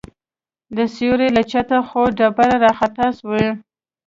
د سوړې له چته څو ډبرې راخطا سوې.